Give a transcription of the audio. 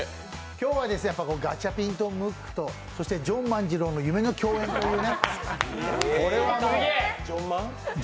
今日はガチャピンとムックとジョン万次郎の夢の共演ということでね。